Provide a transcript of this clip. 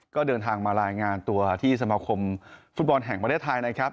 ก็เดินทางมารายงานตัวที่สมาคมฟุตบอลแห่งประเทศไทยนะครับ